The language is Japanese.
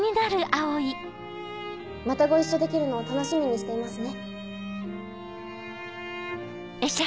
またご一緒できるのを楽しみにしていますね。